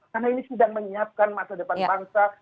karena ini sedang menyiapkan masa depan bangsa